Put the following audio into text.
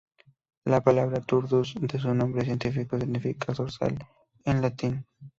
La palabra "Turdus" de su nombre científico significa zorzal en latín.